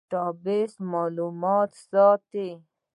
ډیټابیس معلومات ساتي